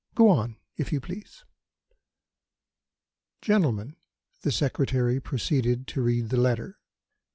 Go on, if you please." "Gentlemen" the Secretary proceeded to read the letter.